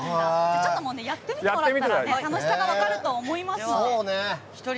やってみてもらえたら楽しさが分かると思いますので。